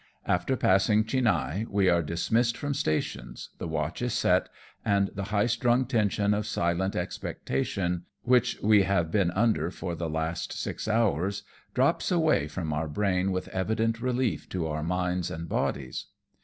After passing Chinhae we are dismissed from stations, the watch is set, and the high strung tension of silent expectation, which we have been under for the last six hours, drops away from our brain with evident relief to our minds and bodies.